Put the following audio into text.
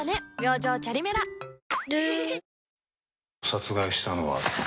「殺害したのは」